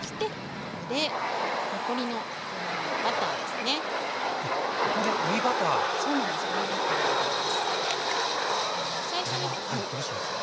これはどうしてですか？